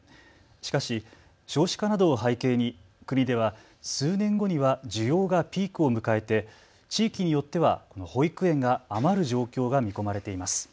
しかし少子化などを背景に国では数年後には需要がピークを迎えて地域によっては保育園が余る状況が見込まれています。